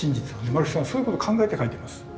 丸木さんはそういうことを考えて描いてます。